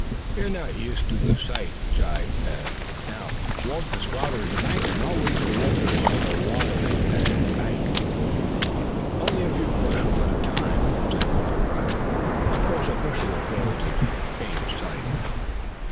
"You're not used to the sight," jibed Tad. "Now, Walter's father is a banker, and I'll wager Walter has seen a lot of it at the bank." "Only a few bushels of it at a time," said Walter dryly. "Of course a bushel of gold is a tame sight."